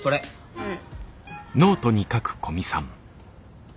うん。